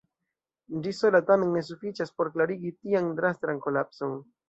Ĝi sola tamen ne sufiĉas por klarigi tian drastan kolapson.